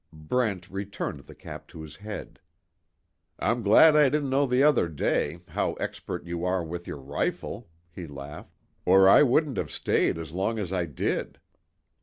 Brent returned the cap to his head. "I'm glad I didn't know the other day, how expert you are with your rifle," he laughed, "Or I wouldn't have stayed as long as I did."